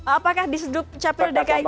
apakah di sudut capil dki